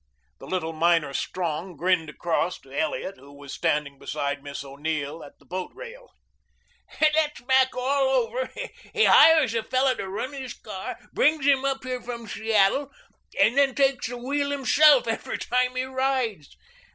The little miner Strong grinned across to Elliot, who was standing beside Miss O'Neill at the boat rail. "That's Mac all over. He hires a fellow to run his car brings him up here from Seattle and then takes the wheel himself every time he rides.